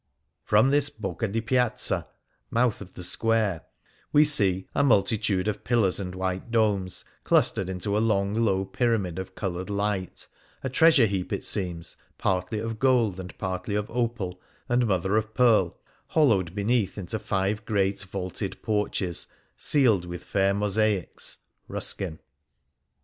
From this Bocca di Piazza (Mouth of the Square) we see "a multitude of pillars and white domes, clustered into a long, low pyramid of coloured light ; a treasure heap it seems, partly of gold and partly of opal, and mother of pearl hollowed beneath into five great vaulted porches ceiled with fair mosaics " (Ruskin)